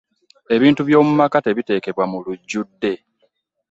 Ebintu byo mu maka tebitekebwa mu lujudde.